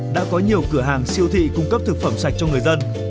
đã có nhiều cửa hàng siêu thị cung cấp thực phẩm sạch cho người dân